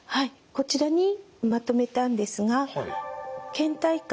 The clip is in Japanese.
こちらにまとめたんですがけん怠感